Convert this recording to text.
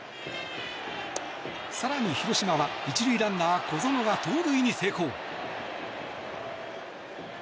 更に広島は１塁ランナー小園が盗塁に成功。